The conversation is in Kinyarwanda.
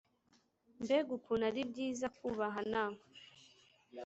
mbega ukuntu ari byiza kwubahana